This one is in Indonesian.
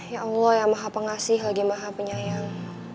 ya allah yang maha pengasih lagi maha penyayang